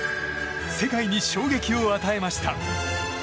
世界に衝撃を与えました。